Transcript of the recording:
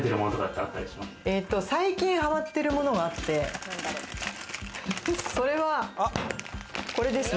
最近ハマってるものがあって、それは、これですね。